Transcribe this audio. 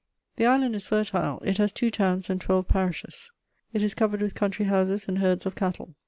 _ The island is fertile: it has two towns and twelve parishes; it is covered with country houses and herds of cattle.